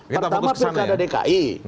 pertama pilkada dki